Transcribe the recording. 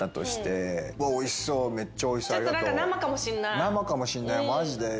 生かもしんないマジで？